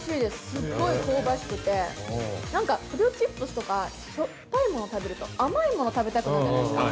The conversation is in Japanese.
すごい香ばしくて、なんかポテトチップスとかしょっぱいものを食べると甘いものを食べたくなるじゃないですか。